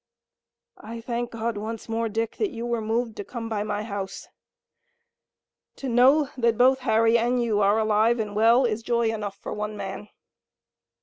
"I thank God once more, Dick, that you were moved to come by my house. To know that both Harry and you are alive and well is joy enough for one man."